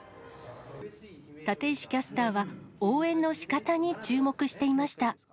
立石キャスターは、応援のしかたに注目していました。